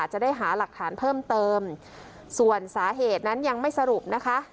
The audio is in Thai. จะได้หาหลักฐานเพิ่มเติมส่วนสาเหตุนั้นยังไม่สรุปนะคะ